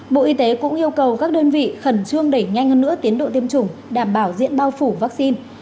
bộ y tế cũng yêu cầu các đơn vị khẩn trương đẩy nhanh hơn nữa tiến độ tiêm chủng đảm bảo diện bao phủ vaccine